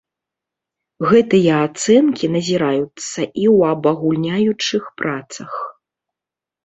Гэтыя ацэнкі назіраюцца і ў абагульняючых працах.